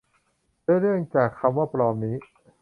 และเนื่องจากคำว่า ปลอม นี้